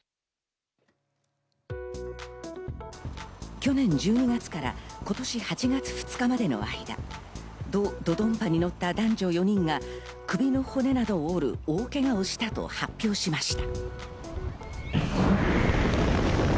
去年１２月から今年８月２日までの間、ド・ドドンパに乗った男女４人が首の骨などを折る大けがをしたと発表しました。